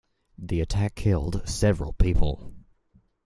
The attack killed several people.